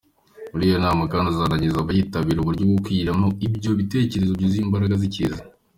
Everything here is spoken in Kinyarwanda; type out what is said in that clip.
Muri iyo nama kandi, azanagaragariza abayitabira uburyo bwo kwiremamo ibyo bitekerezo byuzuye imbaraga zikiza.